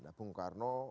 nah bung karno